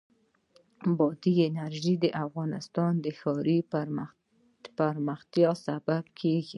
بادي انرژي د افغانستان د ښاري پراختیا سبب کېږي.